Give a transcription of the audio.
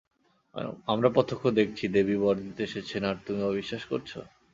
আমরা প্রত্যক্ষ দেখছি দেবী বর দিতে এসেছেন, আর তুমি অবিশ্বাস করছ?